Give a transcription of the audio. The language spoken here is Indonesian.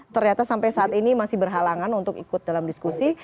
ternyata sampai saat ini masih berhalangan untuk ikut dalam diskusi